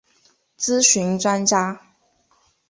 咨询专家